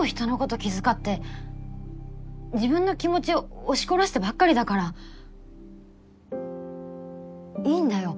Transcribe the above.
気遣って自分の気持ち押し殺してばっかりだからいいんだよ